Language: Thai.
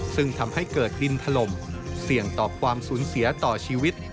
ซึ่งทำให้เกิดดินถล่มเสี่ยงต่อความสูญเสียต่อชีวิต